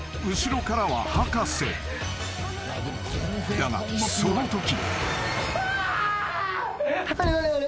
［だがそのとき］